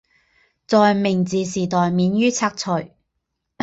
在明治时代免于拆除。